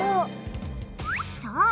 そう！